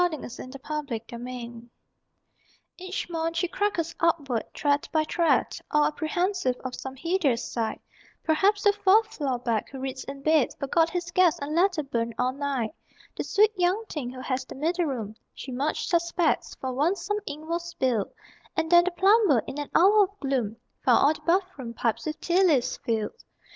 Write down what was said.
SONNETS IN A LODGING HOUSE I Each morn she crackles upward, tread by tread, All apprehensive of some hideous sight: Perhaps the Fourth Floor Back, who reads in bed, Forgot his gas and let it burn all night The Sweet Young Thing who has the middle room, She much suspects: for once some ink was spilled, And then the plumber, in an hour of gloom, Found all the bathroom pipes with tea leaves filled.